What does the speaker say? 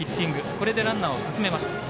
これでランナーを進めました。